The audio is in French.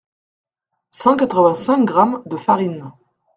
Cent-quatre-vingt-cinq grammes de farine.